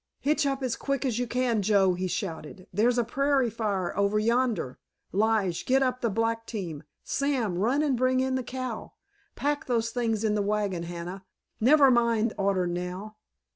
"Hitch up as quick as you can, Joe," he shouted, "there's a prairie fire over yonder! Lige, get up the black team. Sam, run and bring in the cow. Pack those things in the wagons, Hannah, never mind order now.